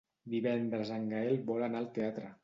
Divendres en Gaël vol anar al teatre.